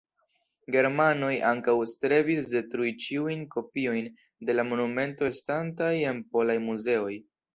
Germanoj ankaŭ strebis detrui ĉiujn kopiojn de la monumento estantaj en polaj muzeoj.